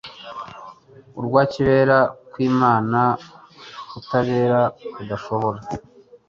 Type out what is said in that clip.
urwa kibera kw'imana, kutabera kudashobora